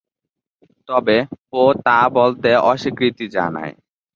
তবে, পো তা বলতে অস্বীকৃতি জানায়।